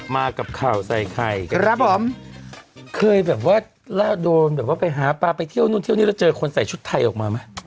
มากับข่าวใส่ไข่ครับผมเคยแบบว่าแล้วโดนแบบว่าไปหาปลาไปเที่ยวนู่นเที่ยวนี่แล้วเจอคนใส่ชุดไทยออกมาไหม